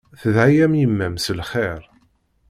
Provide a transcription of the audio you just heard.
Tedɛa-yam yemma-m s lxir.